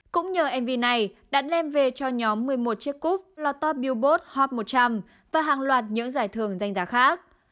cũng nhờ mv này đã đem về cho nhóm một mươi một chiếc coupe lọt top billboard hot một trăm linh và hàng loạt những giải thưởng danh giá khác